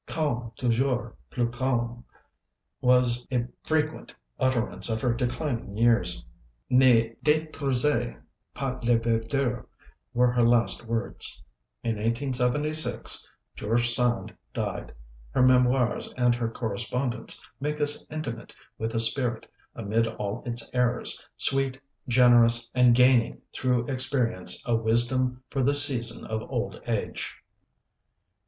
"Calme, toujours plus calme," was a frequent utterance of her declining years. "Ne d├®truisez pas la verdure" were her latest words. In 1876 George Sand died. Her memoirs and her correspondence make us intimate with a spirit, amid all its errors, sweet, generous, and gaining through experience a wisdom for the season of old age.